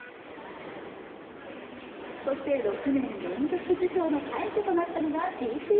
そして６年連続受賞の快挙となったのがＢＴＳ。